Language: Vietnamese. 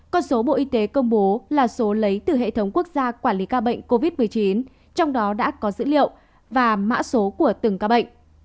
con số bộ y tế công bố là số lấy từ hệ thống quốc gia quản lý ca bệnh covid một mươi chín trong đó đã có dữ liệu và mã số của từng ca bệnh